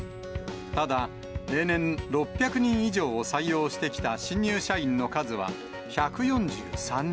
ただ、例年６００人以上を採用してきた新入社員の数は、１４３人。